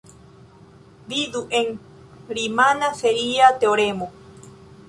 Vidu en "rimana seria teoremo".